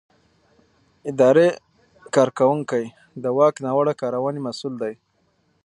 اداري کارکوونکی د واک ناوړه کارونې مسؤل دی.